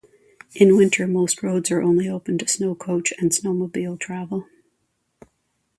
In winter, most roads are only open to snowcoach and snowmobile travel.